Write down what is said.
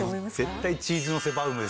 絶対。